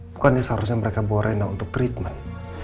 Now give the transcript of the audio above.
bukannya seharusnya mereka bawa renda untuk treatment